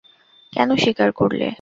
কেন স্বীকার করলে?